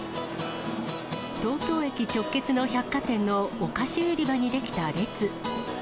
東京駅直結の百貨店のお菓子売り場に出来た列。